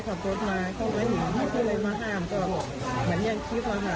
เข้าไปหิวที่เลยมาห้ามก็เหมือนอย่างคลิปว่าฮะ